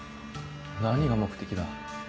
何が目的だ？